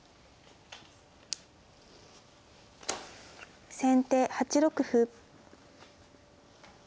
先手８六歩。